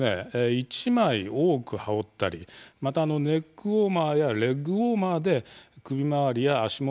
１枚多く羽織ったりまたネックウォーマーやレッグウォーマーで首回りや足元を温める。